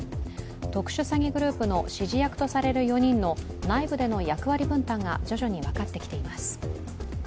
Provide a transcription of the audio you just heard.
特殊詐欺グループの指示役とされる４人の内部での役割分担が徐々に分かってきています。